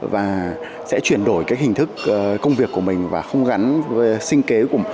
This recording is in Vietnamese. và sẽ chuyển đổi hình thức công việc của mình và không gắn với sinh kế